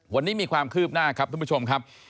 วันนี้มีความคืบหน้าครับท่านผู้ชมครับ